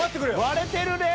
割れてるねぇ。